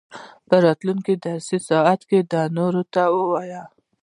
په راتلونکي درسي ساعت کې دې نورو ته ووايي.